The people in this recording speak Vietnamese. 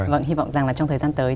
vâng hy vọng rằng là trong thời gian tới